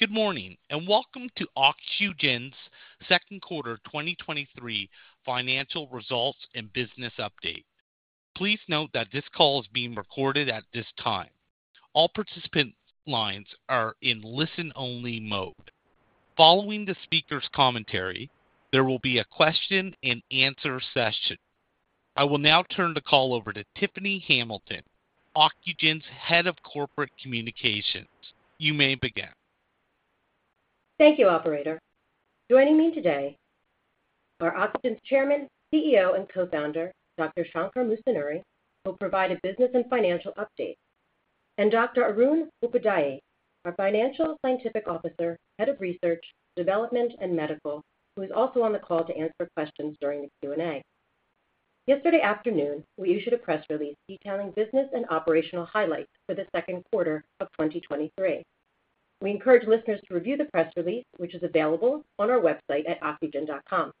Good morning, and welcome to Ocugen's second quarter 2023 financial results and business update. Please note that this call is being recorded at this time. All participant lines are in listen-only mode. Following the speaker's commentary, there will be a question and answer session. I will now turn the call over to Tiffany Hamilton, Ocugen's Head of Corporate Communications. You may begin. Thank you, operator. Joining me today are Ocugen's Chairman, CEO, and Co-founder, Dr. Shankar Musunuri, who will provide a business and financial update, and Dr. Arun Upadhyay, our Chief Scientific Officer, Head of Research, Development, and Medical, who is also on the call to answer questions during the Q&A. Yesterday afternoon, we issued a press release detailing business and operational highlights for the second quarter of 2023. We encourage listeners to review the press release, which is available on our website at ocugen.com.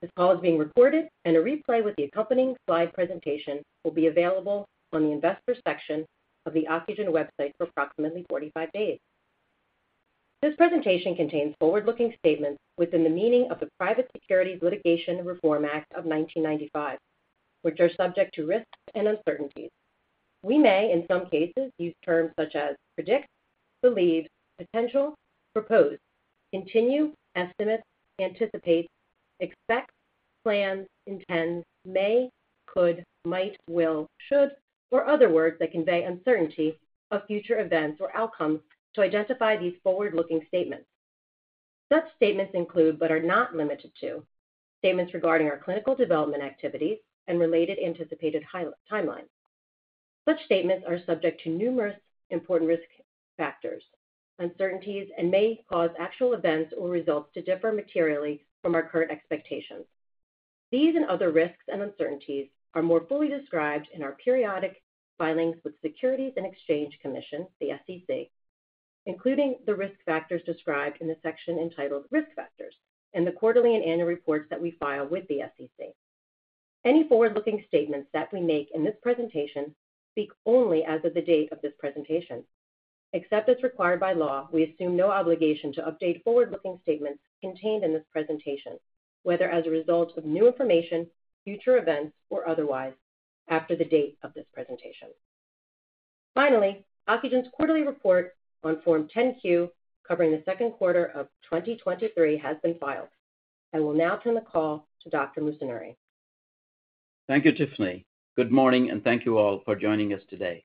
This call is being recorded, and a replay with the accompanying slide presentation will be available on the investor section of the Ocugen website for approximately 45 days. This presentation contains forward-looking statements within the meaning of the Private Securities Litigation Reform Act of 1995, which are subject to risks and uncertainties. We may, in some cases, use terms such as predict, believe, potential, propose, continue, estimate, anticipate, expect, plan, intend, may, could, might, will, should, or other words that convey uncertainty of future events or outcomes to identify these forward-looking statements. Such statements include, but are not limited to, statements regarding our clinical development activities and related anticipated timelines. Such statements are subject to numerous important risk factors, uncertainties, and may cause actual events or results to differ materially from our current expectations. These and other risks and uncertainties are more fully described in our periodic filings with Securities and Exchange Commission, the SEC, including the risk factors described in the section entitled "Risk Factors" in the quarterly and annual reports that we file with the SEC. Any forward-looking statements that we make in this presentation speak only as of the date of this presentation. Except as required by law, we assume no obligation to update forward-looking statements contained in this presentation, whether as a result of new information, future events, or otherwise, after the date of this presentation. Finally, Ocugen's quarterly report on Form 10-Q, covering the second quarter of 2023, has been filed. I will now turn the call to Dr. Musunuri. Thank you, Tiffany. Good morning, and thank you all for joining us today.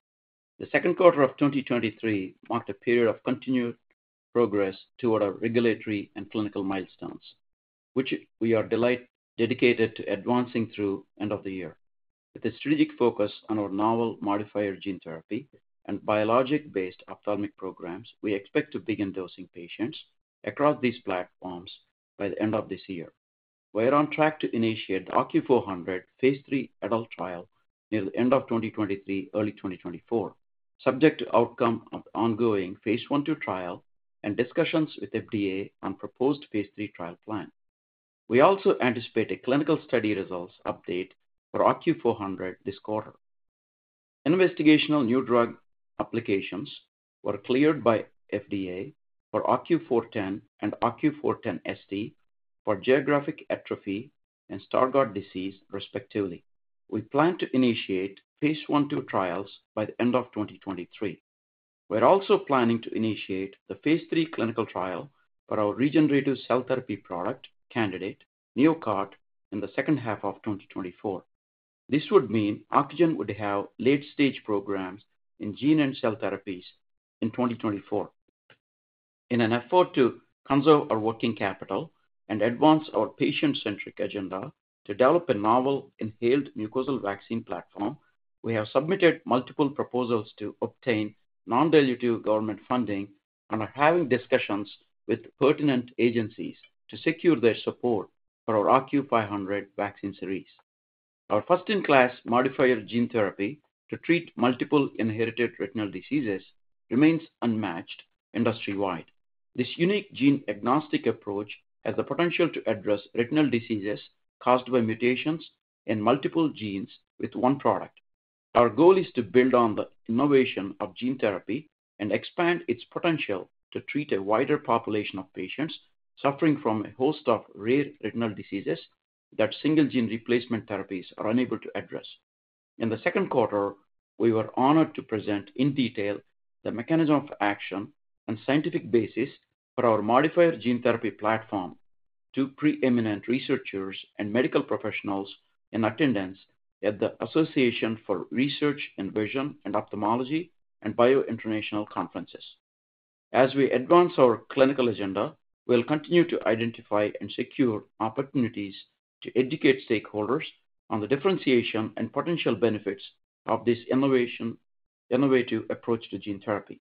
The second quarter of 2023 marked a period of continued progress toward our regulatory and clinical milestones, which we are dedicated to advancing through end of the year. With a strategic focus on our novel modifier gene therapy and biologic-based ophthalmic programs, we expect to begin dosing patients across these platforms by the end of this year. We are on track to initiate the OCU400 Phase 3 adult trial near the end of 2023, early 2024, subject to outcome of ongoing Phase 1/2 trial and discussions with FDA on proposed Phase 3 trial plan. We also anticipate a clinical study results update for OCU400 this quarter. Investigational New Drug applications were cleared by FDA for OCU410 and OCU410ST for geographic atrophy and Stargardt disease, respectively. We plan to initiate Phase 1/2 trials by the end of 2023. We're also planning to initiate the Phase 3 clinical trial for our regenerative cell therapy product candidate, NeoCart, in the second half of 2024. This would mean Ocugen would have late-stage programs in gene and cell therapies in 2024. In an effort to conserve our working capital and advance our patient-centric agenda to develop a novel inhaled mucosal vaccine platform, we have submitted multiple proposals to obtain non-dilutive government funding and are having discussions with pertinent agencies to secure their support for our OCU500 vaccine series. Our first-in-class modifier gene therapy to treat multiple inherited retinal diseases remains unmatched industry-wide. This unique gene-agnostic approach has the potential to address retinal diseases caused by mutations in multiple genes with one product. Our goal is to build on the innovation of gene therapy and expand its potential to treat a wider population of patients suffering from a host of rare retinal diseases that single gene replacement therapies are unable to address. In the second quarter, we were honored to present, in detail, the mechanism of action and scientific basis for our modifier gene therapy platform to preeminent researchers and medical professionals in attendance at the Association for Research in Vision and Ophthalmology and BIO International conferences. As we advance our clinical agenda, we'll continue to identify and secure opportunities to educate stakeholders on the differentiation and potential benefits of this innovative approach to gene therapy.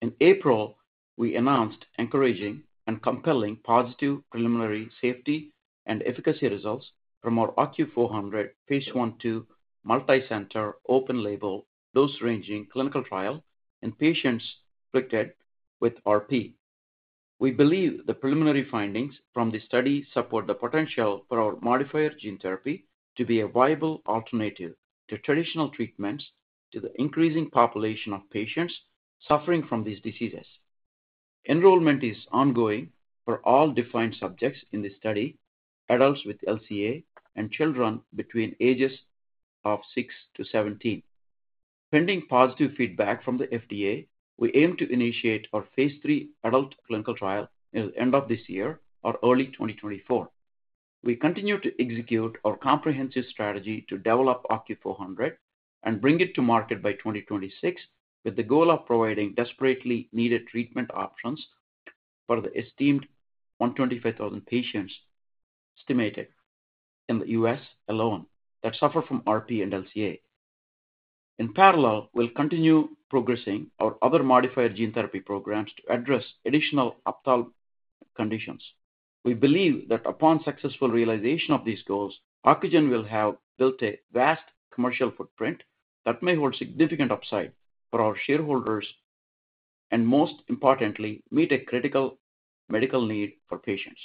In April, we announced encouraging and compelling positive preliminary safety and efficacy results from our OCU400 phase 1/2 multicenter, open label, dose-ranging clinical trial in patients afflicted with RP. We believe the preliminary findings from this study support the potential for our modifier gene therapy to be a viable alternative to traditional treatments to the increasing population of patients suffering from these diseases. Enrollment is ongoing for all defined subjects in this study, adults with LCA and children between ages of 6-17. Pending positive feedback from the FDA, we aim to initiate our Phase 3 adult clinical trial in end of this year or early 2024. We continue to execute our comprehensive strategy to develop OCU400 and bring it to market by 2026, with the goal of providing desperately needed treatment options for the esteemed 125,000 patients estimated in the US alone that suffer from RP and LCA. In parallel, we'll continue progressing our other modifier gene therapy programs to address additional ophthalmic conditions. We believe that upon successful realization of these goals, Ocugen will have built a vast commercial footprint that may hold significant upside for our shareholders, and most importantly, meet a critical medical need for patients.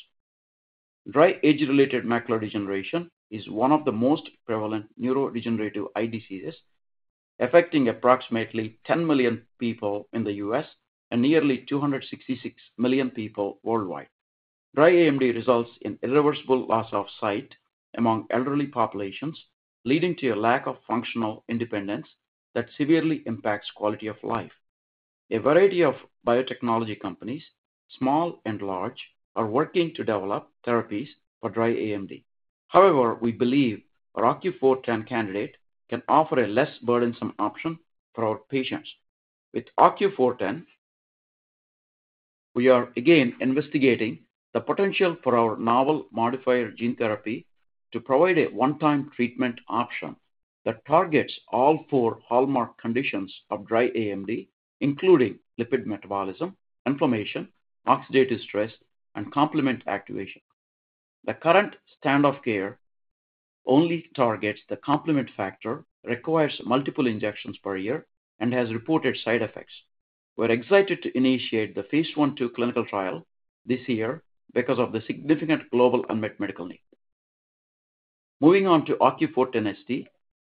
Dry age-related macular degeneration is one of the most prevalent neurodegenerative eye diseases, affecting approximately 10 million people in the US and nearly 266 million people worldwide. Dry AMD results in irreversible loss of sight among elderly populations, leading to a lack of functional independence that severely impacts quality of life. A variety of biotechnology companies, small and large, are working to develop therapies for dry AMD. However, we believe our OCU410 candidate can offer a less burdensome option for our patients. With OCU410, we are again investigating the potential for our novel modifier gene therapy to provide a one-time treatment option that targets all four hallmark conditions of dry AMD, including lipid metabolism, inflammation, oxidative stress, and complement activation. The current standard of care only targets the complement factor, requires multiple injections per year, and has reported side effects. We're excited to initiate the Phase 1/2 clinical trial this year because of the significant global unmet medical need. Moving on to OCU410ST,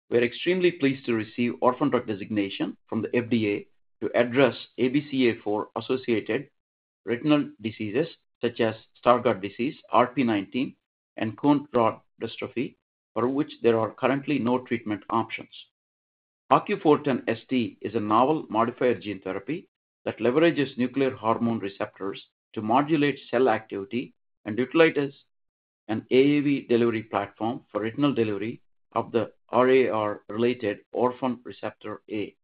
we are extremely pleased to receive orphan drug designation from the FDA to address ABCA4-associated retinal diseases such as Stargardt disease, RP19, and Cone-rod dystrophy, for which there are currently no treatment options. OCU410ST is a novel modifier gene therapy that leverages nuclear hormone receptors to modulate cell activity and utilizes an AAV delivery platform for retinal delivery of the RAR-related orphan receptor A.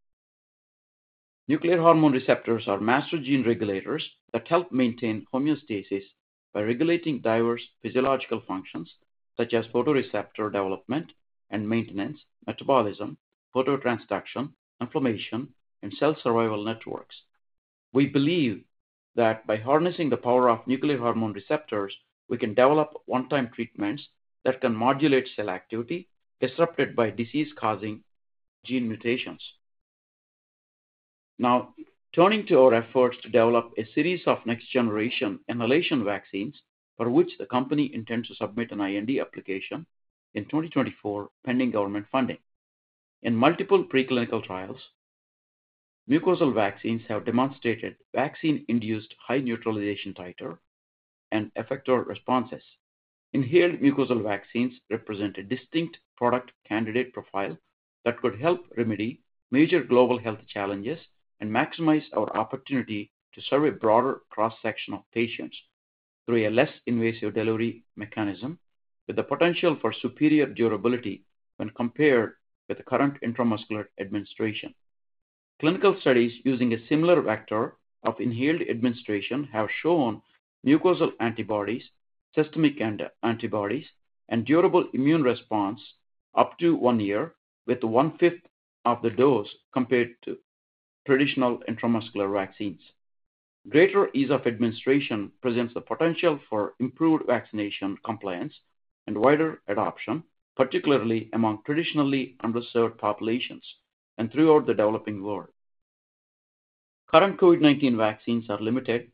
Nuclear hormone receptors are master gene regulators that help maintain homeostasis by regulating diverse physiological functions such as photoreceptor development and maintenance, metabolism, phototransduction, inflammation, and cell survival networks. We believe that by harnessing the power of nuclear hormone receptors, we can develop one-time treatments that can modulate cell activity disrupted by disease-causing gene mutations. Turning to our efforts to develop a series of next-generation inhalation vaccines, for which the company intends to submit an IND application in 2024, pending government funding. In multiple preclinical trials, mucosal vaccines have demonstrated vaccine-induced high neutralization titer and effector responses. Inhaled mucosal vaccines represent a distinct product candidate profile that could help remedy major global health challenges and maximize our opportunity to serve a broader cross-section of patients through a less invasive delivery mechanism, with the potential for superior durability when compared with the current intramuscular administration. Clinical studies using a similar vector of inhaled administration have shown mucosal antibodies, systemic antibodies, and durable immune response up to 1 year, with one-fifth of the dose compared to traditional intramuscular vaccines. Greater ease of administration presents the potential for improved vaccination compliance and wider adoption, particularly among traditionally underserved populations and throughout the developing world. Current COVID-19 vaccines are limited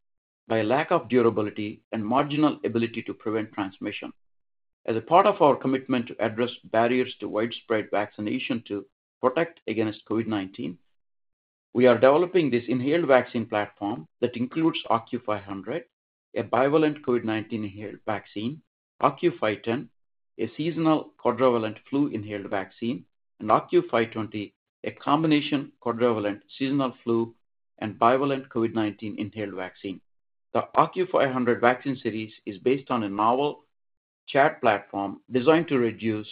by a lack of durability and marginal ability to prevent transmission. As a part of our commitment to address barriers to widespread vaccination to protect against COVID-19, we are developing this inhaled vaccine platform that includes OCU500, a bivalent COVID-19 inhaled vaccine, OCU510, a seasonal quadrivalent flu inhaled vaccine, and OCU520, a combination quadrivalent seasonal flu and bivalent COVID-19 inhaled vaccine. The OCU500 vaccine series is based on a novel ChAd platform designed to reduce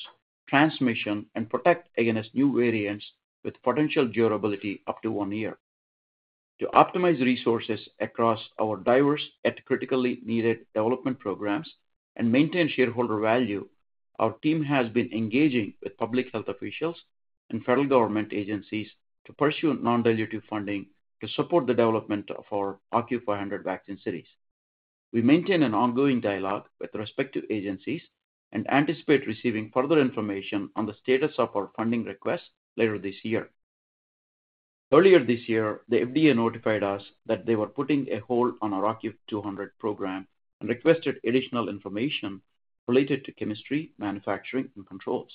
transmission and protect against new variants with potential durability up to one year. To optimize resources across our diverse yet critically needed development programs and maintain shareholder value, our team has been engaging with public health officials and federal government agencies to pursue non-dilutive funding to support the development of our OCU500 vaccine series. We maintain an ongoing dialogue with respective agencies and anticipate receiving further information on the status of our funding request later this year. Earlier this year, the FDA notified us that they were putting a hold on our OCU200 program and requested additional information related to chemistry, manufacturing, and controls.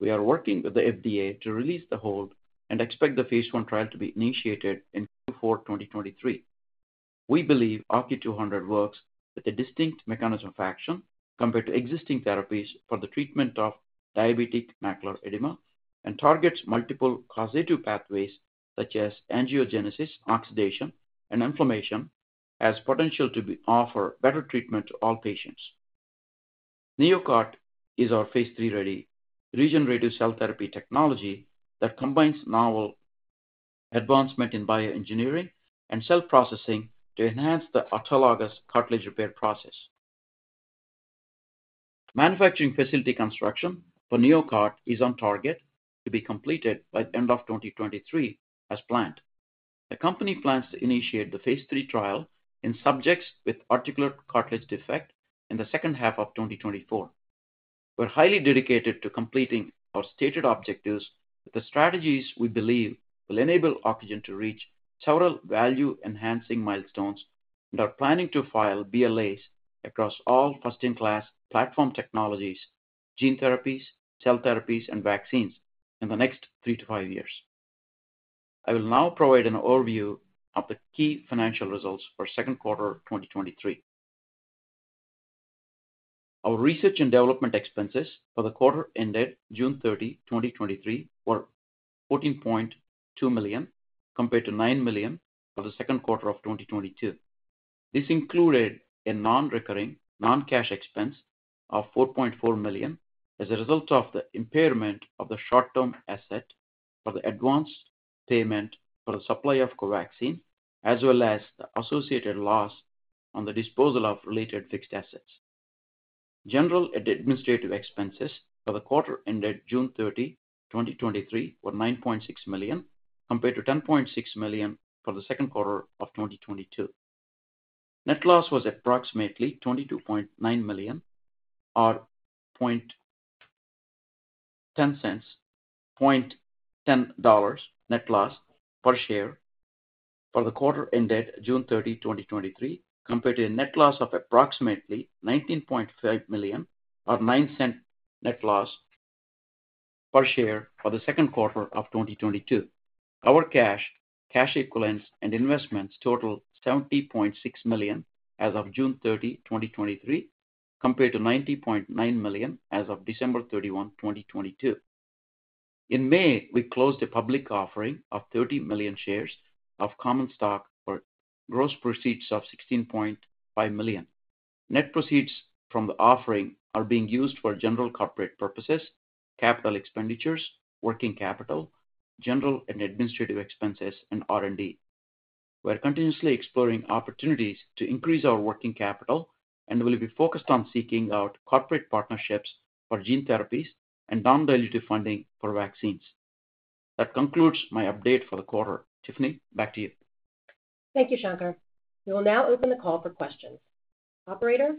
We are working with the FDA to release the hold and expect the phase 1 trial to be initiated in Q4, 2023. We believe OCU200 works with a distinct mechanism of action compared to existing therapies for the treatment of diabetic macular edema, and targets multiple causative pathways such as angiogenesis, oxidation, and inflammation, has potential to be offer better treatment to all patients. NeoCart is our phase 3 ready regenerative cell therapy technology that combines novel advancement in bioengineering and cell processing to enhance the autologous cartilage repair process. Manufacturing facility construction for NeoCart is on target to be completed by the end of 2023, as planned. The company plans to initiate the phase 3 trial in subjects with articular cartilage defect in the second half of 2024. We're highly dedicated to completing our stated objectives, with the strategies we believe will enable Ocugen to reach several value-enhancing milestones, and are planning to file BLAs across all first-in-class platform technologies, gene therapies, cell therapies, and vaccines in the next 3-5 years. I will now provide an overview of the key financial results for second quarter 2023. Our research and development expenses for the quarter ended June 30, 2023, were $14.2 million, compared to $9 million for the second quarter of 2022. This included a non-recurring, non-cash expense of $4.4 million as a result of the impairment of the short-term asset for the advance payment for the supply of Covaxin, as well as the associated loss on the disposal of related fixed assets. General and administrative expenses for the quarter ended June 30, 2023, were $9.6 million, compared to $10.6 million for the second quarter of 2022. Net loss was approximately $22.9 million, or $0.10 net loss per share for the quarter ended June 30, 2023, compared to a net loss of approximately $19.5 million, or $0.09 net loss per share for the second quarter of 2022. Our cash, cash equivalents, and investments totaled $70.6 million as of June 30, 2023, compared to $90.9 million as of December 31, 2022. In May, we closed a public offering of 30 million shares of common stock for gross proceeds of $16.5 million. Net proceeds from the offering are being used for general corporate purposes, capital expenditures, working capital, general and administrative expenses, and R&D. We are continuously exploring opportunities to increase our working capital and will be focused on seeking out corporate partnerships for gene therapies and non-dilutive funding for vaccines. That concludes my update for the quarter. Tiffany, back to you. Thank you, Shankar. We will now open the call for questions. Operator?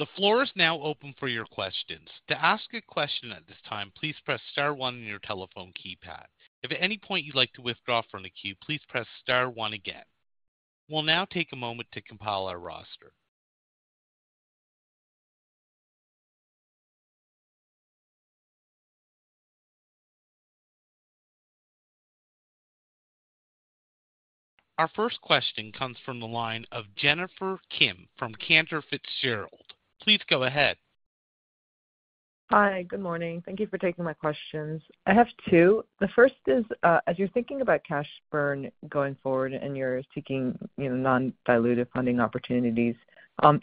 The floor is now open for your questions. To ask a question at this time, please press star one on your telephone keypad. If at any point you'd like to withdraw from the queue, please press star one again. We'll now take a moment to compile our roster. Our first question comes from the line of Jennifer Kim from Cantor Fitzgerald. Please go ahead. Hi. Good morning. Thank you for taking my questions. I have two. The first is, as you're thinking about cash burn going forward and you're seeking, you know, non-dilutive funding opportunities,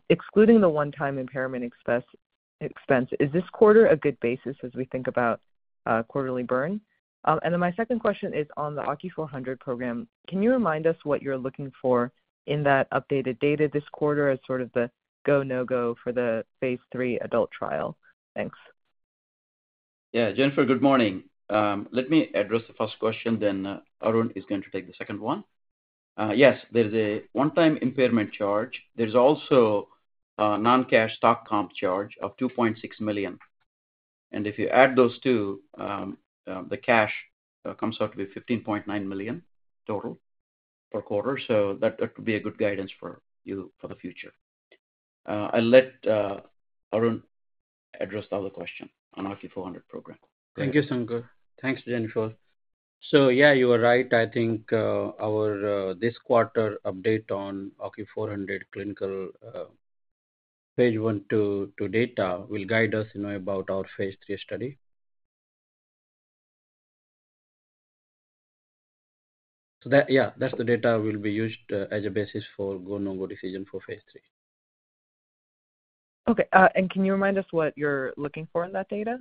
excluding the one-time impairment expense, is this quarter a good basis as we think about quarterly burn? Then my second question is on the OCU400 program. Can you remind us what you're looking for in that updated data this quarter as sort of the go, no-go for the phase 3 adult trial? Thanks. Yeah, Jennifer, good morning. Let me address the first question, then Arun is going to take the second one. Yes, there is a one-time impairment charge. There's also a non-cash stock comp charge of $2.6 million, and if you add those two, the cash comes out to be $15.9 million total per quarter. That, that would be a good guidance for you for the future. I'll let Arun address the other question on OCU400 program. Thank you, Shankar. Thanks, Jennifer. Yeah, you are right. I think, our, this quarter update on OCU400 clinical, phase 1/2 data will guide us, you know, about our phase 3 study. Yeah, that's the data will be used, as a basis for go, no-go decision for phase 3. Okay. Can you remind us what you're looking for in that data?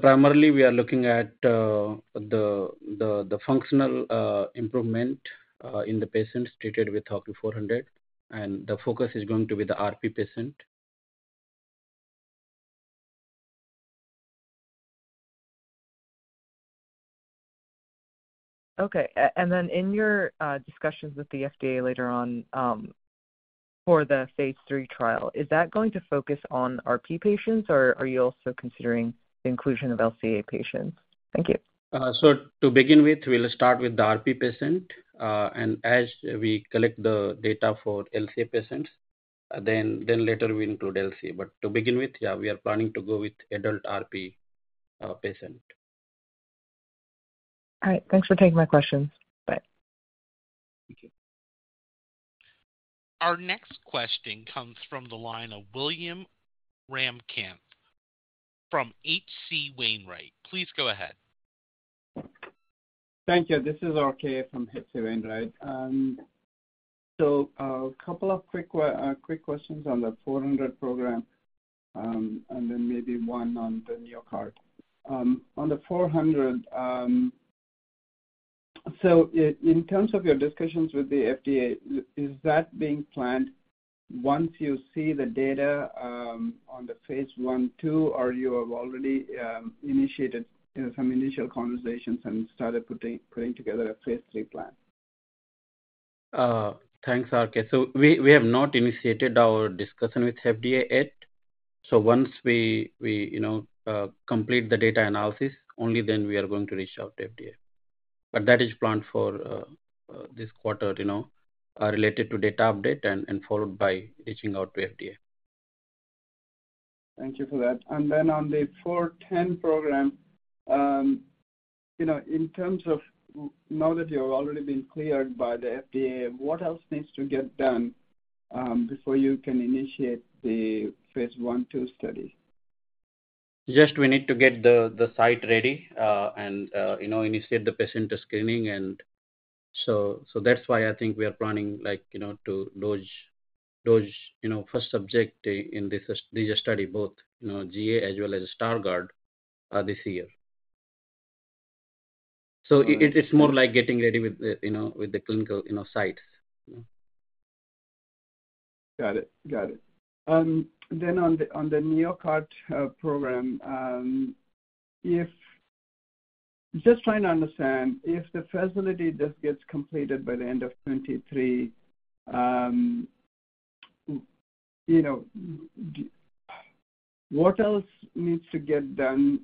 Primarily, we are looking at the, the, the functional improvement in the patients treated with OCU400, and the focus is going to be the RP patient. Okay, and then in your discussions with the FDA later on, for the phase 3 trial, is that going to focus on RP patients, or are you also considering the inclusion of LCA patients? Thank you. To begin with, we'll start with the RP patient. As we collect the data for LCA patients, then, then later we include LCA. To begin with, we are planning to go with adult RP, patient. All right. Thanks for taking my questions. Bye. Thank you. Our next question comes from the line of Swayampakula Ramakanth from H.C. Wainwright. Please go ahead. Thank you. This is R.K. from H.C. Wainwright. A couple of quick que- quick questions on the OCU400 program, and then maybe one on the NeoCart. On the OCU400, in terms of your discussions with the FDA, is that being planned once you see the data on the Phase 1/2, or you have already initiated, you know, some initial conversations and started putting, putting together a Phase 3 plan? Thanks, R.K. We, we have not initiated our discussion with FDA yet. Once we, we, you know, complete the data analysis, only then we are going to reach out to FDA. But that is planned for this quarter, you know, related to data update and, and followed by reaching out to FDA. Thank you for that. And then on the OCU410 program, you know, in terms of now that you have already been cleared by the FDA, what else needs to get done, before you can initiate the Phase 1/2 study? Just we need to get the, the site ready, and, you know, initiate the patient screening and so, so that's why I think we are planning, like, you know, to dose, dose, you know, first subject in this study, both, you know, GA as well as Stargardt, this year. It's more like getting ready with the, you know, with the clinical, you know, sites. Got it. Got it. On the, on the NeoCart program, if Just trying to understand, if the facility just gets completed by the end of 2023, you know, what else needs to get done,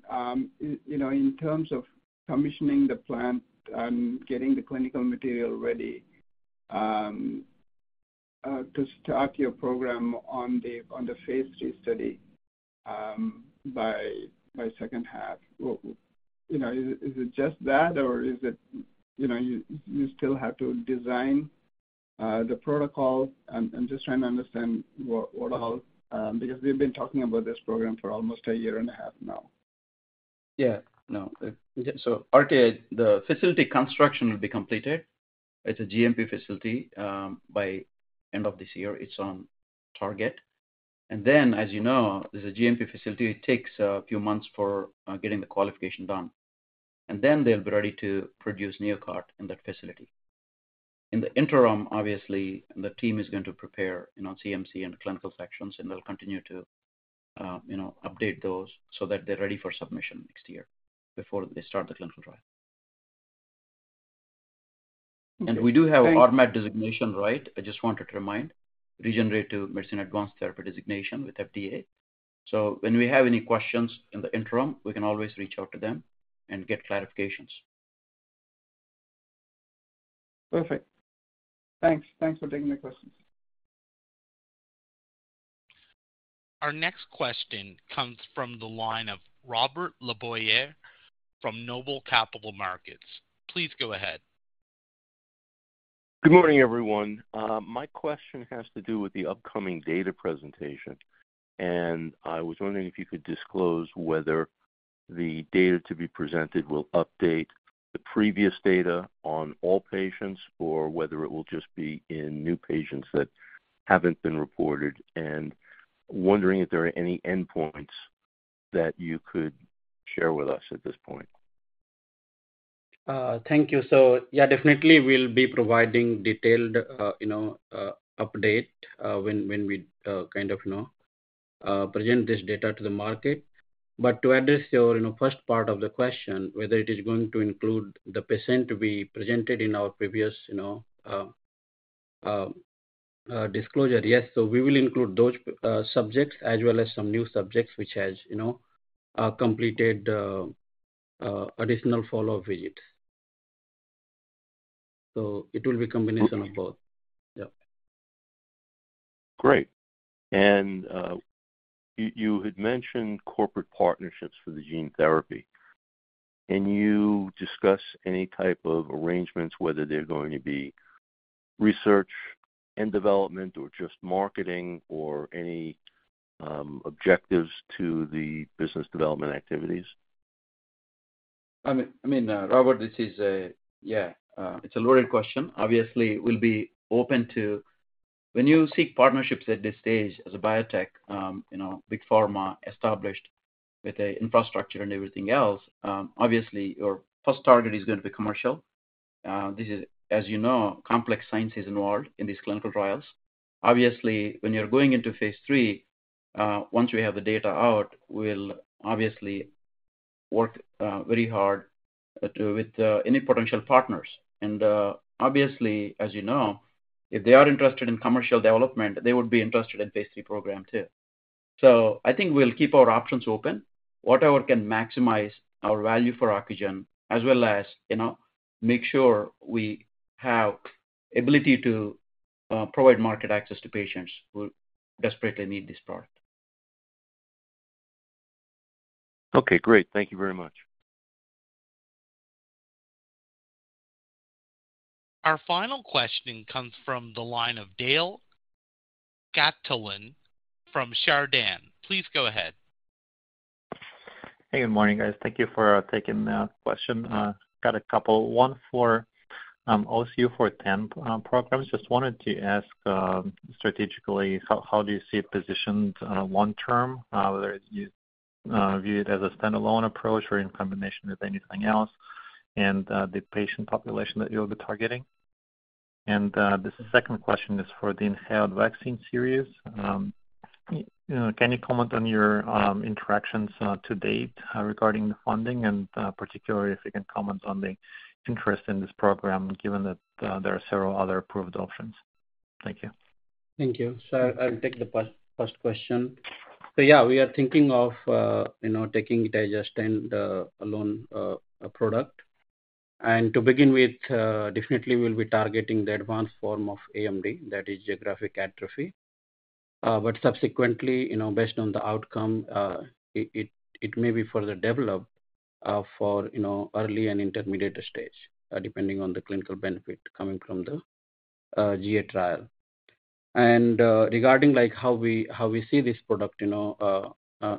you know, in terms of commissioning the plant and getting the clinical material ready, to start your program on the, on the phase 3 study, by, by second half? You know, is it, is it just that, or is it, you know, you, you still have to design the protocol? I'm just trying to understand what, what all, because we've been talking about this program for almost a year and a half now. Yeah. No. R.K., the facility construction will be completed. It's a GMP facility by end of this year. It's on target. As you know, as a GMP facility, it takes a few months for getting the qualification done, and then they'll be ready to produce NeoCart in that facility. In the interim, obviously, the team is going to prepare, you know, CMC and clinical sections, and they'll continue to, you know, update those so that they're ready for submission next year before they start the clinical trial. Okay, thank- We do have RMAT designation, right? I just wanted to remind, Regenerative Medicine Advanced Therapy designation with FDA. When we have any questions in the interim, we can always reach out to them and get clarifications. Perfect. Thanks. Thanks for taking my questions. Our next question comes from the line of Robert LeBoyer from Noble Capital Markets. Please go ahead. Good morning, everyone. My question has to do with the upcoming data presentation. I was wondering if you could disclose whether the data to be presented will update the previous data on all patients, or whether it will just be in new patients that haven't been reported. Wondering if there are any endpoints that you could share with us at this point. Thank you. Yeah, definitely, we'll be providing detailed, you know, update, when, when we, kind of, you know, present this data to the market. To address your, you know, first part of the question, whether it is going to include the patient to be presented in our previous, you know, disclosure, yes. We will include those subjects as well as some new subjects, which has, you know, completed, additional follow-up visit. It will be combination of both. Okay. Yeah. Great. You, you had mentioned corporate partnerships for the gene therapy. Can you discuss any type of arrangements, whether they're going to be research and development or just marketing or any objectives to the business development activities? I mean, I mean, Robert, this is a... Yeah, it's a loaded question. Obviously, we'll be open to-- When you seek partnerships at this stage as a biotech, you know, big pharma, established with a infrastructure and everything else, obviously, your first target is going to be commercial. This is, as you know, complex science is involved in these clinical trials. Obviously, when you're going into phase 3-..., once we have the data out, we'll obviously work very hard with any potential partners. Obviously, as you know, if they are interested in commercial development, they would be interested in phase 3 program, too. I think we'll keep our options open, whatever can maximize our value for Ocugen, as well as, you know, make sure we have ability to provide market access to patients who desperately need this product. Okay, great. Thank you very much. Our final question comes from the line of Daniil Gataulin from Chardan. Please go ahead. Hey, good morning, guys. Thank you for taking the question. Got a couple. One for OCU410 programs. Just wanted to ask, strategically, how, how do you see it positioned, one term? Whether you view it as a standalone approach or in combination with anything else, and the patient population that you'll be targeting. The second question is for the inhaled vaccine series. You know, can you comment on your interactions to date regarding the funding and particularly if you can comment on the interest in this program, given that there are several other approved options? Thank you. Thank you. I'll take the first, first question. Yeah, we are thinking of, you know, taking it as a stand-alone product. To begin with, definitely we'll be targeting the advanced form of AMD, that is geographic atrophy. Subsequently, you know, based on the outcome, it, it, it may be further developed for, you know, early and intermediate stage, depending on the clinical benefit coming from the GA trial. Regarding, like, how we, how we see this product, you know,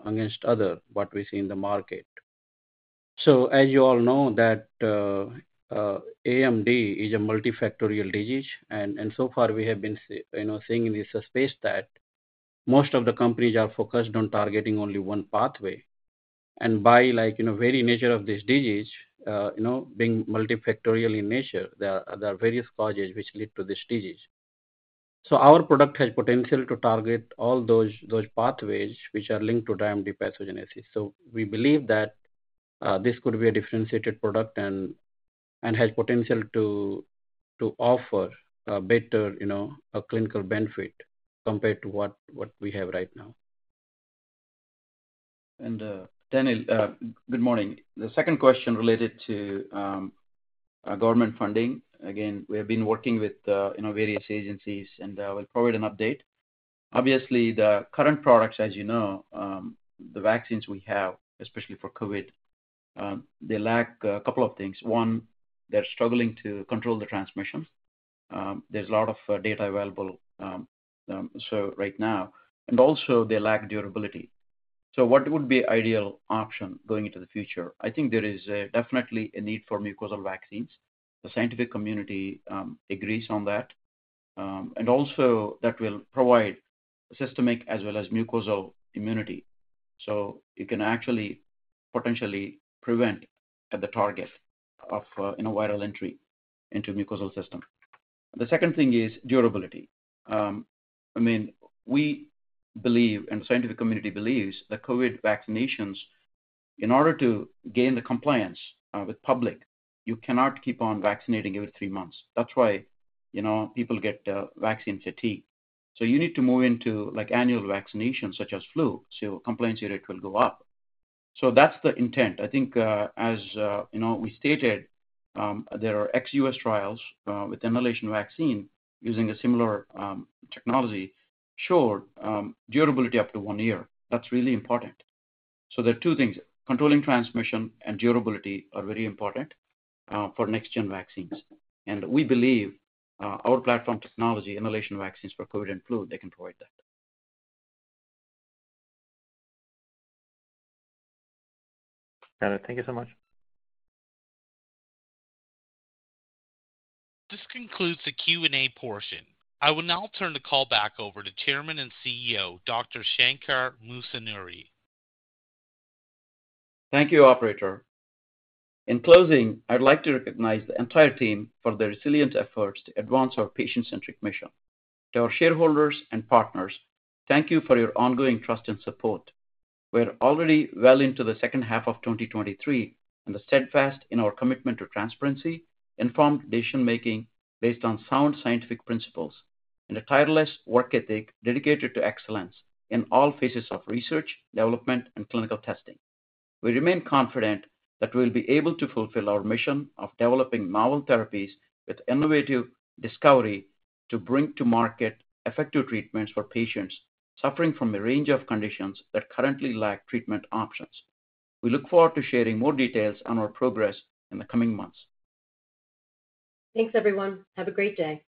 against other, what we see in the market. As you all know, that AMD is a multifactorial disease, and so far we have been, you know, seeing in this space that most of the companies are focused on targeting only one pathway. By, like, you know, very nature of this disease, you know, being multifactorial in nature, there are, there are various causes which lead to this disease. Our product has potential to target all those, those pathways which are linked to AMD pathogenesis. We believe that this could be a differentiated product and has potential to, to offer a better, you know, a clinical benefit compared to what, what we have right now. Daniil, good morning. The second question related to government funding. We have been working with, you know, various agencies, and we'll provide an update. The current products, as you know, the vaccines we have, especially for COVID, they lack a couple of things. One, they're struggling to control the transmission. There's a lot of data available right now, and also they lack durability. What would be ideal option going into the future? I think there is definitely a need for mucosal vaccines. The scientific community agrees on that. Also that will provide systemic as well as mucosal immunity. You can actually potentially prevent at the target of, you know, viral entry into mucosal system. The second thing is durability. I mean, we believe, and the scientific community believes, that COVID-19 vaccinations, in order to gain the compliance with public, you cannot keep on vaccinating every three months. That's why, you know, people get vaccine fatigue. You need to move into, like, annual vaccinations, such as flu, compliance rate will go up. That's the intent. I think, as, you know, we stated, there are ex-U.S. trials, with inhalation vaccine using a similar technology, showed durability up to one year. That's really important. There are two things, controlling transmission and durability are very important for next-gen vaccines. We believe, our platform technology, inhalation vaccines for COVID and flu, they can provide that. Got it. Thank you so much. This concludes the Q&A portion. I will now turn the call back over to Chairman and CEO, Dr. Shankar Musunuri. Thank you, operator. In closing, I'd like to recognize the entire team for their resilient efforts to advance our patient-centric mission. To our shareholders and partners, thank you for your ongoing trust and support. We're already well into the second half of 2023, and are steadfast in our commitment to transparency, informed decision-making based on sound scientific principles, and a tireless work ethic dedicated to excellence in all phases of research, development, and clinical testing. We remain confident that we'll be able to fulfill our mission of developing novel therapies with innovative discovery to bring to market effective treatments for patients suffering from a range of conditions that currently lack treatment options. We look forward to sharing more details on our progress in the coming months. Thanks, everyone. Have a great day.